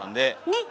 ねっ。